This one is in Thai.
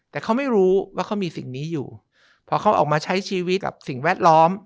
แต่เขาไม่รู้ว่าเขามีสิ่งนี้อยู่พอเขาออกมาใช้ชีวิตกับสิ่งแวดล้อม